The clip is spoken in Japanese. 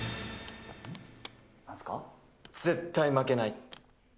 絶対負けない。